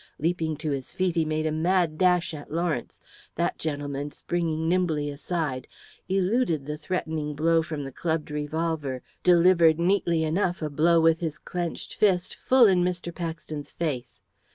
Leaping to his feet, he made a mad dash at Lawrence. That gentleman, springing nimbly aside, eluded the threatening blow from the clubbed revolver, delivered neatly enough a blow with his clenched fist full in Mr. Paxton's face.